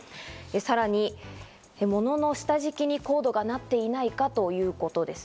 さらに物の下敷きにコードがなっていないかということですね。